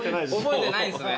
覚えてないんすね。